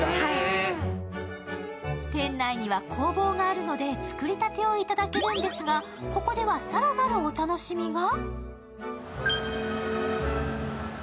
店内には工房があるので、作りたてをいただけるんですがここでは更なるお楽しみが。